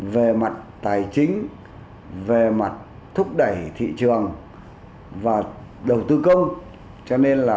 về mặt tài chính về mặt thúc đẩy thị trường và đầu tư công